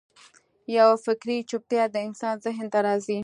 یوه فکري چوپتیا د انسان ذهن ته راځي.